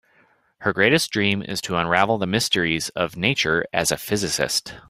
Her greatest dream is to unravel the mysteries of nature as a physicist.